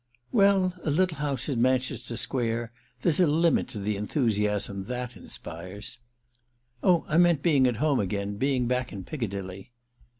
"Well, a little house in Manchester Square—there's a limit to the enthusiasm that inspires." "Oh I meant being at home again—being back in Piccadilly."